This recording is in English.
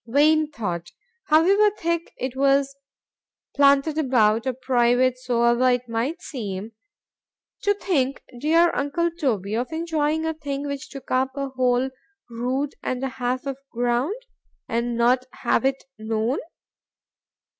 —Vain thought! however thick it was planted about,——or private soever it might seem,—to think, dear uncle Toby, of enjoying a thing which took up a whole rood and a half of ground,—and not have it known!